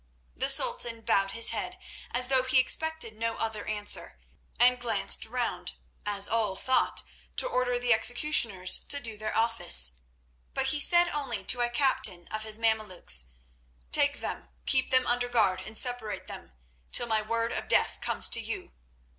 The Sultan bowed his head as though he expected no other answer, and glanced round, as all thought to order the executioners to do their office. But he said only to a captain of his Mameluks: "Take them; keep them under guard and separate them, till my word of death comes to you.